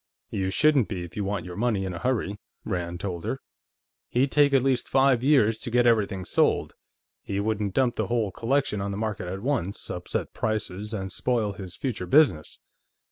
"You shouldn't be, if you want your money in a hurry," Rand told her. "He'd take at least five years to get everything sold. He wouldn't dump the whole collection on the market at once, upset prices, and spoil his future business.